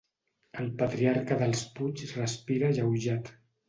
El patriarca dels Puig respira alleujat.